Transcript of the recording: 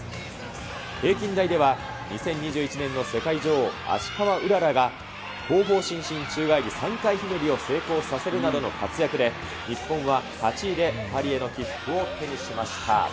平均台では、２０２１年の世界女王、芦川うららが、後方伸身宙返り３回ひねりを成功させるなどの活躍で、日本は８位でパリへの切符を手にしました。